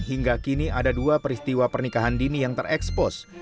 hingga kini ada dua peristiwa pernikahan dini yang terekspos